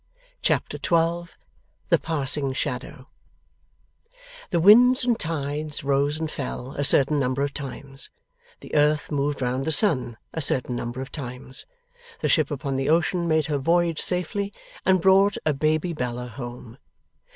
Chapter 12 THE PASSING SHADOW The winds and tides rose and fell a certain number of times, the earth moved round the sun a certain number of times, the ship upon the ocean made her voyage safely, and brought a baby Bella home.